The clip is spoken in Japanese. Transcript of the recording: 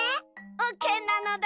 オーケーなのだ。